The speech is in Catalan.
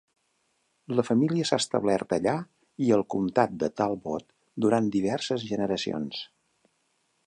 La família s'ha establert allà i al comptat de Talbot durant diverses generacions.